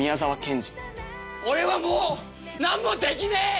俺はもう何もできねえ！